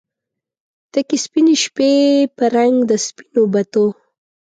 تکې سپینې شپې په رنګ د سپینو بتو